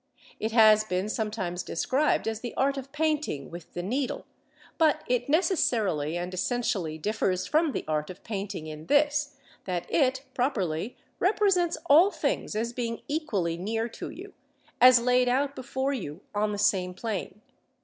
It has been sometimes described as the art of painting with the needle; but it necessarily and essentially differs from the art of painting in this, that it, properly, represents all things as being equally near to you, as laid out before you on the same plane.